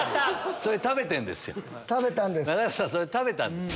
それ食べてるんですよ。